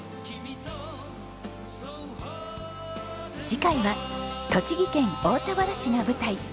次回は栃木県大田原市が舞台。